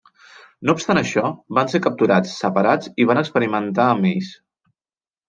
No obstant això, van ser capturats, separats i van experimentar amb ells.